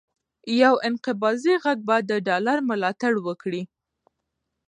یو انقباضي غږ به د ډالر ملاتړ وکړي،